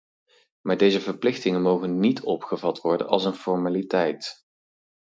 Maar deze verplichtingen mogen niet opgevat worden als een formaliteit.